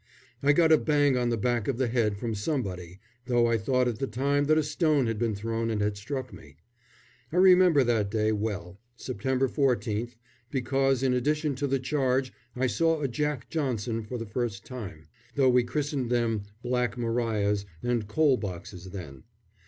I got a bang on the back of the head from somebody, though I thought at the time that a stone had been thrown and had struck me. I remember that day well September 14th because in addition to the charge I saw a Jack Johnson for the first time, though we christened them Black Marias and Coal boxes then.